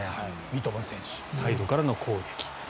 三笘選手サイドからの攻撃。